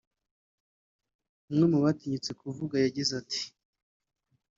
umwe mu batinyutse kuvuga yagize ati